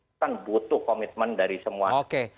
dan membuatnya lebih baik